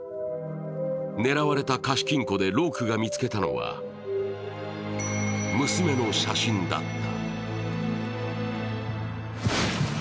狙われた貸金庫でロークが見つけたのは、娘の写真だった。